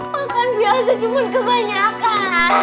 makan biasa cuma kebanyakan